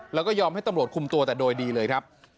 แล้วก็ยอมให้ตำรวจคุมตัวแต่โดยดีเลยครับ